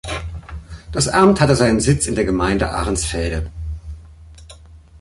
Das Amt hatte seinen Sitz in der Gemeinde Ahrensfelde.